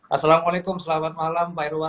assalamualaikum selamat malam mbak irwan